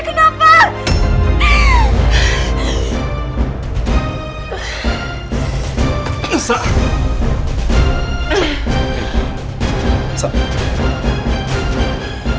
kenapa lo sejahat ini sama gue